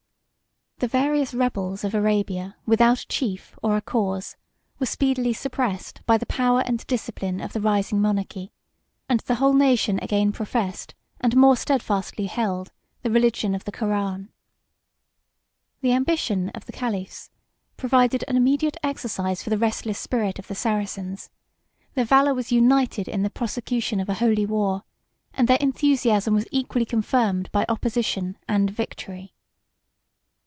The various rebels of Arabia without a chief or a cause, were speedily suppressed by the power and discipline of the rising monarchy; and the whole nation again professed, and more steadfastly held, the religion of the Koran. The ambition of the caliphs provided an immediate exercise for the restless spirit of the Saracens: their valor was united in the prosecution of a holy war; and their enthusiasm was equally confirmed by opposition and victory.